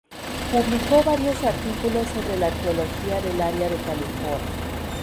Publicó varios artículos sobre la arqueología del área de California.